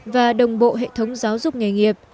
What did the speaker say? và đồng bộ hệ thống giáo dục nghề nghiệp